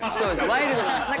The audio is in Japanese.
ワイルドな。